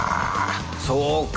そうか。